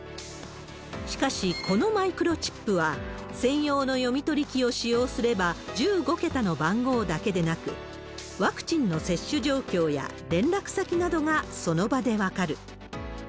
しかしこのマイクロチップは、専用の読み取り機を使用すれば、１５桁の番号だけでなく、ワクチンの接種状況や連絡先などがその場で分かる。